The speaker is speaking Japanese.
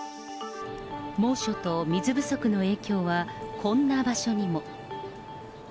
猛暑と水不足の影響はこんな場所にも。